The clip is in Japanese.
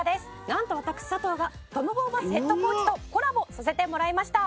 「なんと私佐藤がトム・ホーバスヘッドコーチとコラボさせてもらいました」